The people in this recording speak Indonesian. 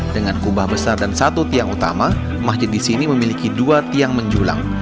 dengan kubah besar dan satu tiang utama masjid di sini memiliki dua tiang menjulang